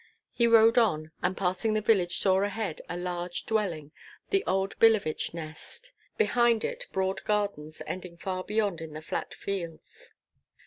He rode on, and passing the village saw ahead a large dwelling, the old Billevich nest; behind it broad gardens ending far beyond in the flat fields.